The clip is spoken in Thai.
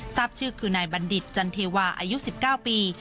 ทราบชื่อคือนายบัณฑิตจันเทวาอายุ๑๙ปี